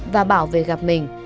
và bảo về gặp mình